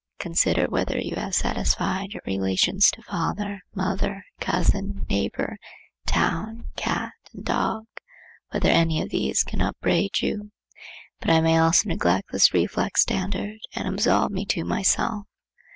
Consider whether you have satisfied your relations to father, mother, cousin, neighbor, town, cat, and dog; whether any of these can upbraid you. But I may also neglect this reflex standard and absolve me to myself.